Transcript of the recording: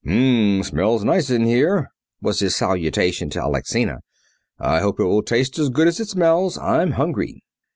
"H'm! Smells nice in here," was his salutation to Alexina. "I hope it will taste as good as it smells. I'm hungry."